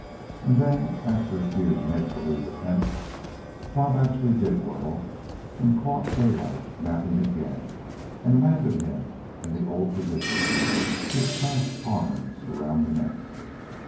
And then, after a few make believe attempts, Bob actually did whirl and caught Daylight napping again and landed him in the old position with clasped arms around the neck.